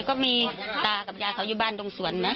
ก็มีตากับยายเขาอยู่บ้านตรงสวนนะ